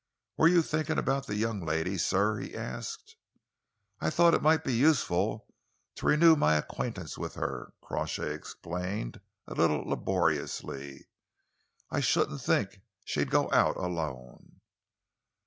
"Were you thinking about the young lady, sir?" he asked. "I thought it might be useful to renew my acquaintance with her," Crawshay explained, a little laboriously. "I shouldn't think she'd go out alone."